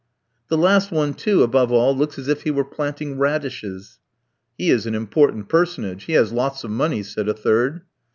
"The last one, too, above all, looks as if he were planting radishes." "He is an important personage, he has lots of money," said a third.